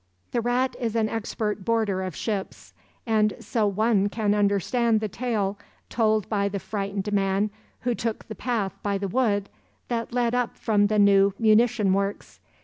The rat is an expert boarder of ships. And so one can understand the tale told by the frightened man who took the path by the wood that led up from the new munition works.